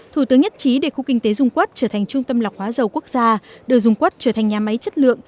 thủ tướng nhất trí để khu kinh tế dung quất trở thành trung tâm lọc hóa dầu quốc gia đưa dung quất trở thành nhà máy chất lượng